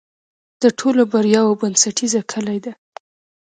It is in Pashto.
د ټولو بریاوو بنسټیزه کلي ده.